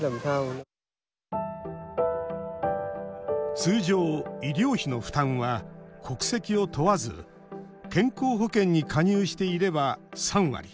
通常、医療費の負担は国籍を問わず健康保険に加入していれば３割。